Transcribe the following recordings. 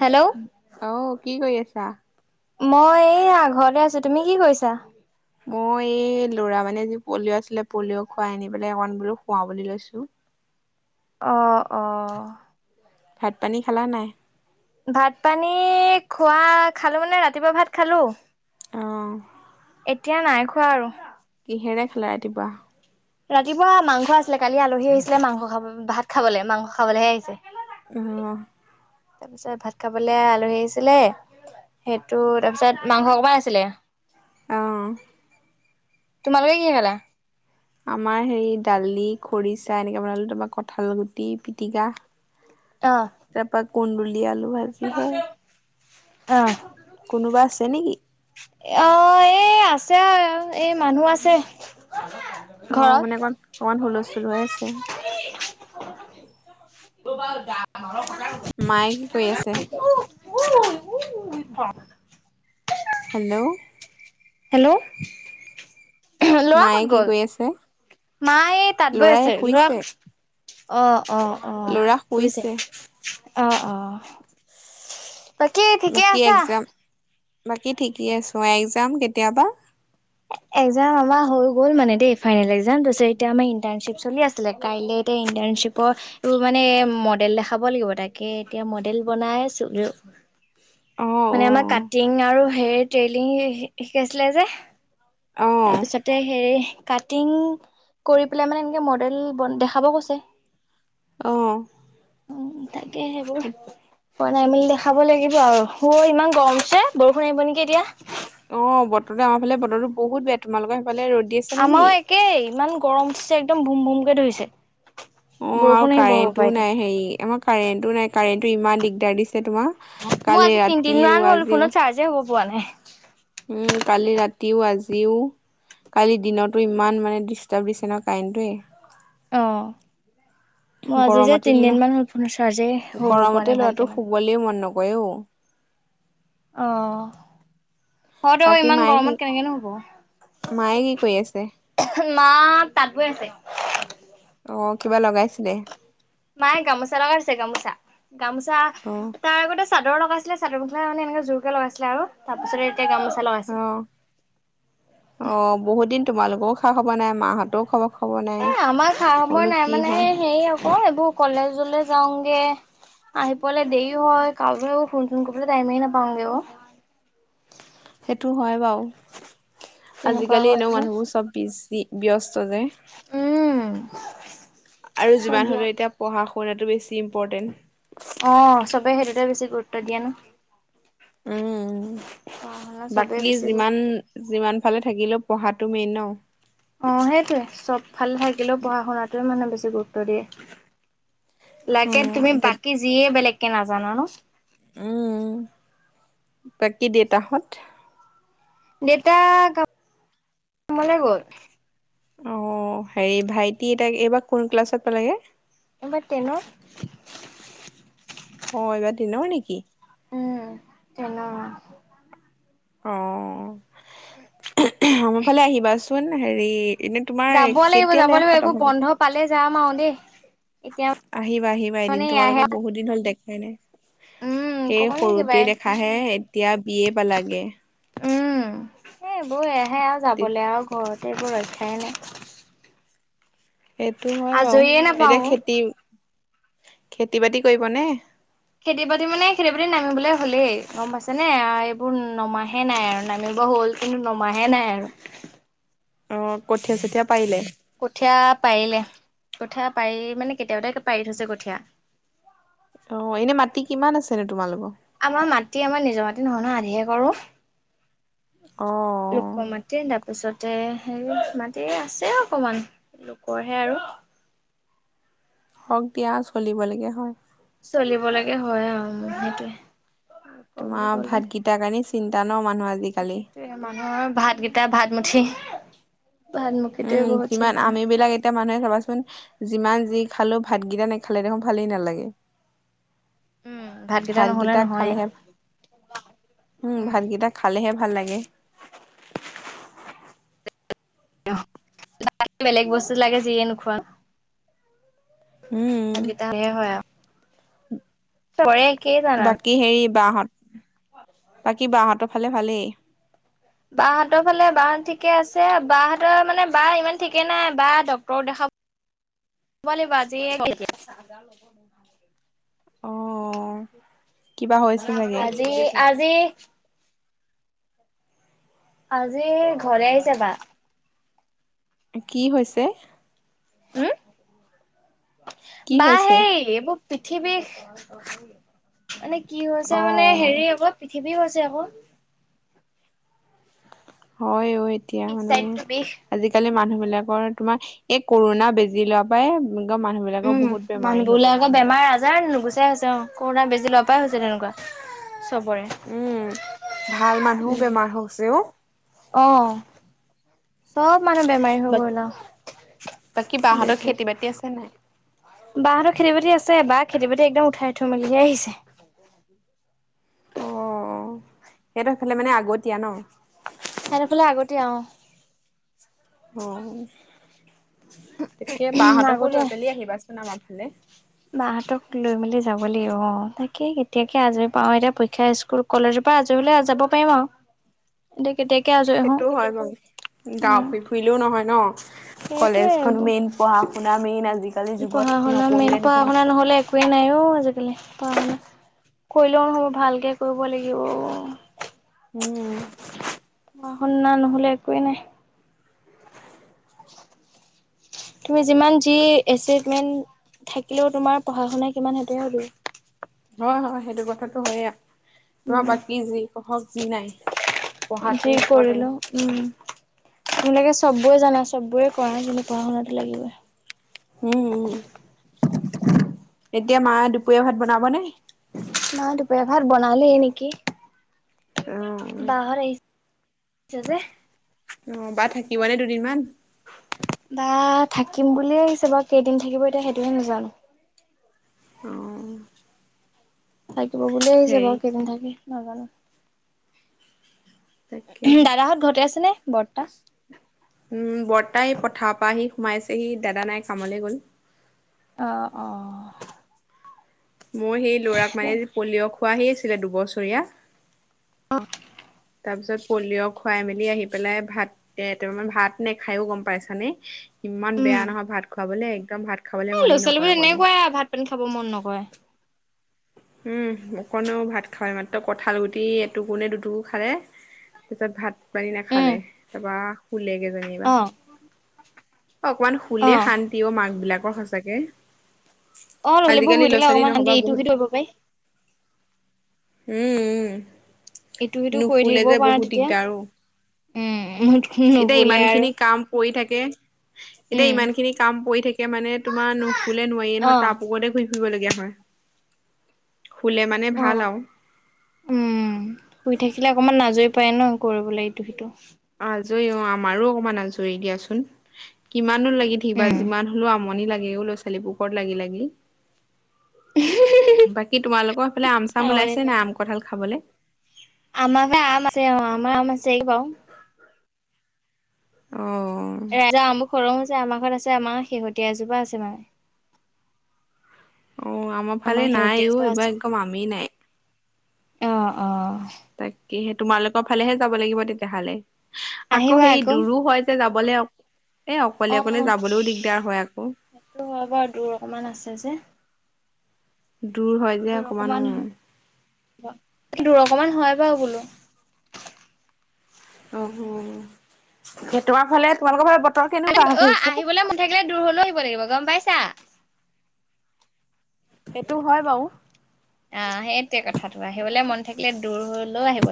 Hello অ কি কৰি আছা মই এইয়া ঘৰতে আছো তুমি কি কৰিছা মই এই ল'ৰা মানে আজি পলিঅ' আছিলে পলিঅ' খুৱাই আনি পেলাই অকণ বোলো শুৱাও বুলি লৈছো অ অ ভাত পানী খালা নাই ভাত পানী খোৱা খালো মানে ৰাতিপুৱা ভাত খালো। উম। এতিয়া নাই খোৱা আৰু। কিহেৰে খালা ৰাতিপুৱা ৰাতিপুৱা মাংস আছিলে কালি আলহী আহিছিলে মাংস খাব ভাত খাবলৈ মাংস খাবলৈহে আহিছে। উহ। তাৰপিছত ভাত খাবলে আলহী আছিলে সেইটো তাৰপিছত মাংস অকমান আছিলে অহ তোমালোকে কিহে খালা আমাৰ হেৰি দালি খৰিচা এনেকে বনালো তাপা কঁঠাল গুটি পিটিকা অ', তাপা কুন্দুলি আলু ভাজিহে অ কোনোবা আছে নেকি? অ এই আছে আৰু এই মানুহ আছে। অ ঘৰত। মানে অকণ অকমান হুলস্থুল হৈ আছে। [unintelligible] মায়ে কি কৈ আছে? [unintelligible] হেল্ল' হেল্ল' লৰা মায়ে ক'ত কি গ'ল? কৰি আছে? মা এই তাঁত বৈ ল'ৰাই আছে, লৰা শুইছে অ অ অ ল'ৰা হৈছে শুইছে। অ অ। তাকে ঠিকে বাকী আছা? এক্সাম বাকী ঠিকেই আছো একযাম কেতিয়া পা? [unintelligible] একজাম আমাৰ হৈ গ'ল মানে দেই ফাইনেল একজাম তাৰপিছত এতিয়া আমাৰ ইণ্টাৰ্নশিপ চলি আছিলে কাইকে এটা ইটাৰ চিপৰ এইবোৰ মানে মডেল দেখাব লাগিব তাকে এতিয়া মডেল বনাই আছো। অ মানে আমাৰ কাটিং আৰু হেয়ৰ টেইলিং শিকাইছিলে যে অ তাৰপিছতে হেৰি কাটিং কৰি পেলাই মানে এনেকে মডেলন দেখাব কৈছে। আহ উম, তাকে সেইবোৰ। পোৱা নাই মেলি দেখাব লাগিব আৰু শু ইমান গৰমছে বৰষুণ আহিব নেকি এতিয়া? অ বতৰটো আমাৰ ফালে বতৰটো বহুত বেয়া। তোমালোকে হে আমাৰ একেই ইমান গৰম উঠিছে একদম বুম ভুমকে ধৰিছে। অ বৰষুণ আৰু আহিব হপাই কাৰেণ্টটোও এতিয়া নাই, হেৰি আমাৰ কাৰেণ্টটো নাই কাৰেণ্টো ইমান দিগদাৰ দিছে। তোমাৰ মোৰ কালি আজি তিনদিন ৰাতিও মান হ'ল। আজিও ফোনত চাৰ্জে হ'ব পোৱা নাই। উম কালি ৰাতিও আজিও। কালি দিনতো ইমান মানে ডিষ্টাৰ্ব দিছে ন কাৰেণ্টোৱে। অহ। মই আজি যে গৰমতে তিনদিন মান হল, ফনৰ চাৰ্জে হব পৰা নাই ভালকে মানে। কয়ওঁ। অ হয়তো আকৌ বাকী ইমান মায়ে কি গৰমত কেনেকে নু হ'ব। মায়ে কি কৰি আছে মা তাত বৈ আছে। অ কিবা লগাইছিলে? মায়ে গামোচা লগাইছে গামোচা গামোচা। অ তাৰ আগতে চাদৰ লগাইছিলে। চাদৰ মেখেলা মানে এনেকে জোৰ কে লগাইছিলে আৰু তাৰ পিছত এ। অ অ বহুত দিন তোমালোকেও খা খবৰ নাই মাহঁতেও খবৰ, খবৰ নাই এ আমাৰ খা মই সময় বোলো নাই কি মানে হয় হেৰি আকৌ এইবোৰ কলেজলৈ যাওঁগে। আহি পেলাই দেৰিও হয়, কাকো ফোন চোন কৰিবলৈ টাইমেই নাপাওঁগে অ। সেইটো হয় বাও তেনেকুৱা আজিকালি হয় এনেও যে মানুহবোৰ চব বি--জি ব্যস্ত উম যে--আৰু যিমান চব হলেও এতিয়া পঢ়া শু কৰাটো বেছি ইম্পট্ৰেণ। অ চবে সেইটোতে বেছি গুৰুত্ব দিয়া ন উম পঢ়া শুনা চবেই বাকী বেছি যিমান গুৰুত্ব যিমান ফালে থাকিলেও পঢ়াত তুমি ন অ সেইটোৱে চব ভাল থাকিলেও পঢ়া শুনাটোৱে মানে বেছি গুৰুত্ব দিয়ে। লাগে উম তুমি এতিয়া বাকী যিয়ে বেলেগকে নাজানা নো। উম। বাকী দেউতাহঁত দেউতা কামলে গ'ল অ হেৰি ভাইটি এটা এইবাৰ কোন ক্লাছত পালেগে এবাৰ টেনট অ এইবাৰ দিনৰ নেকি? ! উম তেন অ আমাৰফালে আহিবাচোন হেৰি এনে তোমাৰ যাব লাগিব যাব কেতিয়ালৈ লাগিব খতম এইবোৰ হ'ব? বন্ধ পালে যাম আৰু দেই। এতিয়া আহিবা আহিবা এদিন মানে এয়াহে তোমালোকক বহুত দিন হল দেখাই নাই। উম সেই কব নে সৰুতে কিবাই দেখাহে এতিয়া বিএ পালাগে। উম এইবোৰ এহে আৰু যাবলৈ আও ঘৰতে এইবোৰ ৰক্ষাই নাই সেইটো হয় বাও, আজৰিয়ে নাপাও এতিয়া খেতি খেতি বাতি কৰিব নে? খেতি বাতি মানে খেতি বাতিত নামিবলৈ হ'লেই গম পাইছে নে এইবোৰ নমাহে নাই আৰু নামি নামিব হ'ল কিন্তু নমাহে নাই আৰু। অ কঠীয়া চঠিয়া কঠীয়া পাৰিলে কঠীয়া পাৰি মানে কেতিয়াবাতে পাৰি থৈছে কঠীয়া। অ এনে মাটি কিমান আছে ন তোমালোকৰ এতি আমাৰ নিজৰ মাতে নহয় ন আধিহে কৰো। অ লোকৰ মাটি তাপিচত তাতে হেৰি মাটি আছে অকমান লোকৰহে আৰু হওক দিয়া চলিব লাগে হয়। চলিব লাগে হয় আও মো সেইটোৱে। লোকৰ বুলি তোমাৰ ক'লো ভাতগিতাৰ কাৰণে চিন্তা ন মানুহ আজিকালি সেইটোয়ে মানুহৰ ভাত গিতা ভাত মুঠি। উম যিমান চিন্তা আমিবিলাক এতিয়া মানুহে চাবাচোন যিমান যি খালো ভা ভাতগিদা নেখালে দেখোন ভালেই নালাগে। উম ভাতকেইটা নহ'লে ভাতগিতা নহয়ে খালেহে উম ভাতগিতা খালেহে ভাল লাগে। [unintelligible] বেলেগ বস্তু লাগে যিয়ে নোখোৱা উম গিতা হ'লে হয় আও। চয়ে কেই যানান বাকী হেৰি বাহঁত বাকী বাহঁতৰ ফালে ভালেই? বাহঁতৰ ফালে বা ঠিকে আছে। বাহঁতৰ মানে বা ইমান ঠিকে নাই বা ডক্তৰক দেখাব [unintelligible] অ। কিবা হৈছে চাগে আজি আজি আজি ঘৰে আহিছে বা। কি হৈছে? উম কি বা হৈছে সেই এইবো পিঠি বিষ [unintelligible] মানে কি হৈছে অ মানে হেৰি আক পিঠি কিবি হৈছে আক হয় অ এতিয়া পিছ মানে চাইডটো বিষ আজিকালি মানুহবিলাকৰ তোমা এই কৰোণা বেজি লোৱা পাই গ মানুহবিলাকৰ উম বহুত বেমাৰী হৈ গ'ল মানুহবিলাক। সচাই হৈছে অ কৰোণা বেজি লোৱা পাই হৈছে তেনেকুৱা চবৰে উম ভাল মানুহ উম বেমাৰ হৈছে ও অ চব মানুহ বেমাৰী হৈ গল বাকী আও বাহঁতৰ বেছি খেতি বাতি আছে নাই বাহঁতৰ খেতি বাতি আছে বা খেতি বাতি একদম উঠাই থৈ মেলিহে আহিছে সেইটো সেইফালে মানে আগতীয়া ন হেতফালে আগতীয়া অহ। অ', তাকে বাহঁতকো লৈ আগতে পেলি আহিবাচোন আমাৰ ফালে। বাহঁতক লৈ মেলি যাব লাগিব, অ', তাকে কেতিয়াকে আজৰি পাওঁ এতিয়া পৰীক্ষা স্কুল কলেজো পৰা আজি হ'লে যাব পাৰিম আৰু এতিয়া কেতিয়া সেইটোও হয় বাৰু, দা পি ফুৰিলেও নহয় ন'। সেইটোৱে কলেজখনো মেইন পঢ়া শুনা মেইন আজিকালি যুগত পঢ়া শুনা মেইন নপঢ়িলে পঢ়া নহয়। শুনা নহলে একোৱেই নাইও আজিকালি পঢ়া শুনা কৰিলেও নহ'ব ভালকে কৰিব লাগিব উম পঢ়া শুনা নহলে একোৱেই নাই তুমি যিমান যি এচিমেট থাকিলেও তোমাৰ পঢ়া শুনা কিমান হেতুহে সুধিব হয় হয় সেইটো কথাটো হয়ে তোমাৰ উম বাকী যি পঢ়ক যি নাই পঢ়াটো যি ইম্পৰ্টেণ্ট। কৰিলো উম তোমালোকে চববোৰে জানা চববোৰে কৰা কিন্তু পঢ়া শুনাতো লাগিবই উম এতিয়া মা দুপৰীয়া ভাত বনাবনে মা দুপৰিয়া ভাত বনালেই নেকি অ বা হত আহিছে যে বা থাকিবনে দুদিনমান? বা থাকিম বুলিয়ে আহিছে বাৰু কেইদিন থাকিব এতিয়া সেইটোৱে নাজানো অ' থাকিব বুলিয়ে আহিছে হেৰি বাৰু কেইদিন থাকি নাজানো। তাকেহে। দাদাহঁত ঘটে আছে নে বৰ্তা? উম বৰ্তাই পথাৰ পৰা আহি সোমাইছেহি দাদা নাই কামলৈ গ'ল। অহ অহ। মোৰ সেই ল'ৰাক মানে পলিঅ' খোৱাহি আছিলে দুবছৰীয়া। অ তাৰ পিছত পলিঅ' খুৱাই মেলি আহি পেলাই ভাত এ ভাত নেখাইও গম পাইছানে? ইমান বেয়া নহয় ভাত খোৱাবলৈ একদম ভাত খাবলৈ এ ল'ৰা মনেই নকৰে ছোৱালীবৰ অকণো এনেকুৱাই ভাত পানী খাব মন নকৰে। উম অকণো ভাত খাৱ মাত্ৰ কঁঠাল গুটি এটোকো নে দুটুকো খালে। তাৰপিছত ভাত পানী উম, নাখালে তাৰপা শুলেগে যেনিবা। অ', অকমান খুলে অ'। শান্তিও মাক বিলাকৰ সঁচাকে। অ', ল'ৰা ছোৱালীবোৰ শুই আজিকালি ল'ৰা থাকিলে ছোৱালী অকমান শান্তি নহবা ইটো বহুত সিটো কৰিব পাৰি উম উম, ইটো সিটো কৰি নুখুলে থাকিবও যে পাৰা বহুত তেতিয়া দিগদাৰো। উম, এতিয়া নুশুলে আৰু ইমানখিনি কাম কৰি থাক এতিয়া উম, ইমানখিনি কাম পৰি থাকে মানে তোমাৰ নুশুলে নোৱাৰিয়ে নহয় অ', তাপকতে ঘূৰি লগীয়া হয়, শুলে মানে ভাল অ'। আৰু। উম শুই থাকিলে অকমান আজৰি পায় ন কৰিবলৈ ইটো সিটো। আজৰি অ আমাৰো অকমান আজৰি দিয়াচোন, কিমান লাগি থাকিবা যিমান হ'লেও আমনি লাগেও ল'ৰা ছোৱালীবোৰ কত লাগি লাগি। বাকী তোমালোকৰ এইফালে আম চাম ওলাইছে নাই আম কঠাল খাবলে? আমাকে আমছে আম আম আছে বাও। অ [unintelligible] আম খৰম হৈছে আমাৰ ঘৰত ছে আমাৰ শেহতীয়া এজোপা আছে মানে। অ, আমাৰ ফালে শেহতীয়া নাইও এজোপা এইবাৰ আছে। একদম আমি নাই। অ', অ', তাকে সে তোমালোকৰ ফালেহে যাব লাগিব তেতিয়াহলে আকৌ, সেই দূৰো হয় যে যাব [inaudible] এ অকলে অকলে অ', যাবলৈও দিগদাৰ হয় আকৌ। সেইটো হয় বাৰু দূৰ অকমান আছে যে দূৰ হয় যে অকমান অ', দূৰ অকণমান হয় বাৰু বুলো। উম - উম সেই তোমাৰ ফালে তোমালোকৰ ফালে বতৰ কেনেকুৱা হৈ অ, আহিছে আহিবলৈ মন থাকিলে দূৰ হলেও আহিব লাগিব গম পাই সেইটো হয় বাৰু। আহ, সেইটোৱে কথাটো আহিবলৈ মন থাকিলে দূৰ হলেও আহিব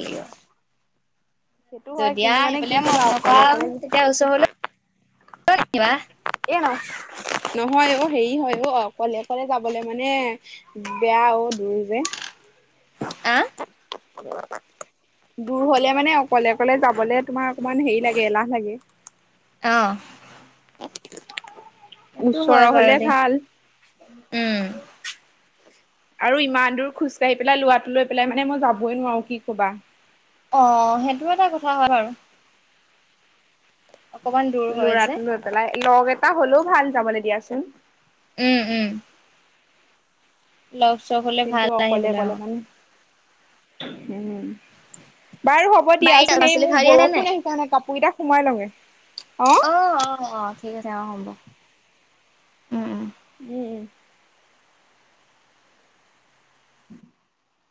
সেইটো লাগিব। হয় যদিয়া কিন্তু মানে কি আহিবলৈ ক'বা মন নকওঁ অকলে অকলে তেতিয়া ওচৰ হলেও। [unintelligible] অ', নহয় অ, হেৰি হয় অ, অকলে অকলে যাবলে মানে বেয়া অ, দূৰ যে। আ, [inaudible] দূৰ হলে মানে অকলে অকলে যাবলে তোমাৰ অকমান হেৰি লাগে এলাহ লাগে। ন' সেইটো হয় ওচৰৰ বাৰু হলে দেই ভাল উম, আৰু ইমান দূৰ খোজকাঢ়ি পেলাই লৰাটো লৈ পেলাই মানে মই যাবই নোৱাৰো কি কবা। অ', সেইটো এটা কথা হয় বাৰু। অকমান দূৰ হয় যে লৰাটো লৈ পেলাই লগ এটা হলেও ভাল যাবলৈ দিয়াচোন। উম, উম, লগ চগ হলে কিন্তু ভাল অকলে আহিবলৈ অকলে অ মানে হুম, বাৰু হ'ব বাৰীত শাক দিয়াচোন সেই পাচলি মোৰ খাই দিয়া নাই বৰষুণ আহিছে মানে কাপোৰ কেইটা সোমাই লওঁতে। অ', অ', অ', ঠিক আছে অ', হ'ব উম, উম, উম, উম, উম,